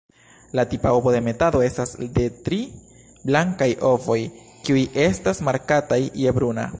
La tipa ovodemetado estas de tri blankaj ovoj, kiuj estas markataj je bruna.